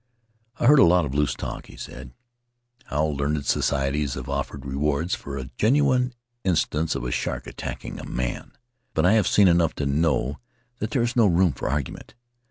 "I've heard a lot of loose talk," he said; "how learned societies have offered rewards for a genuine instance of a shark attacking a man, but I have seen enough to know that there is no room for argument.